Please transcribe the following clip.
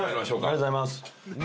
ありがとうございます